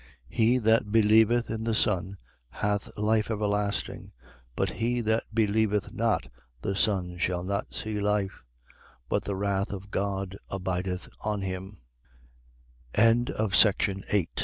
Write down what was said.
He that believeth in the Son hath life everlasting: but he that believeth not the Son shall not see life: but the wrath of God abidet